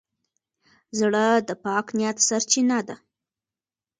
زړه د پاک نیت سرچینه ده.